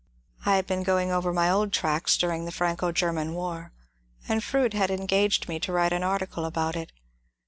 I had been going over my old tracks during the Franco Grerman war, and Froude had engaged me to vmte an article about it.